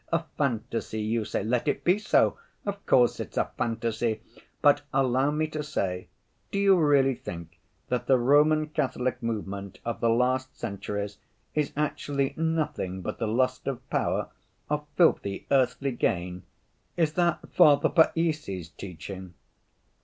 A fantasy you say, let it be so! Of course it's a fantasy. But allow me to say: do you really think that the Roman Catholic movement of the last centuries is actually nothing but the lust of power, of filthy earthly gain? Is that Father Païssy's teaching?"